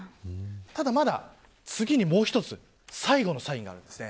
ただまだ、次にもう１つ最後のサインがあります。